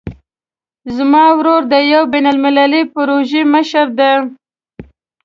زما ورور د یوې بین المللي پروژې مشر ده